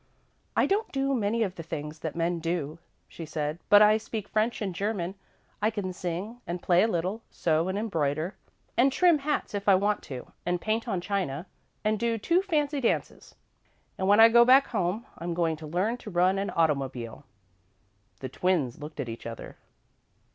"I don't do many of the things that men do," she said, "but I speak French and German, I can sing and play a little, sew and embroider, and trim hats if I want to, and paint on china, and do two fancy dances. And when I go back home, I'm going to learn to run an automobile." The twins looked at each other.